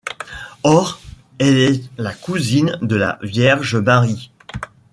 Or elle est la cousine de la Vierge Marie.